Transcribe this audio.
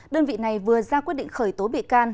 đơn vị này vừa ra quyết định khởi tố bị can